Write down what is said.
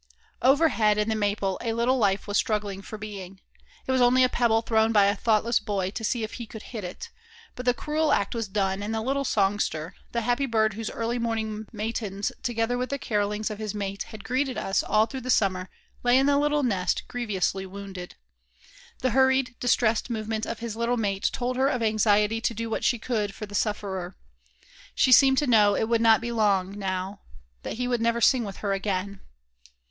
Overhead in the maple a little life was struggling for being. It was only a pebble thrown by a thoughtless boy "to see if he could hit it," but the cruel act was done, and the little songster, the happy bird whose early morning matins together with the carolings of his mate, had greeted us all through the summer lay in the little nest greviously wounded. The hurried, distressed movements of his little mate told of her anxiety to do what she could for the sufferer. She seemed to know it would not be long, now, that he would never sing with her again.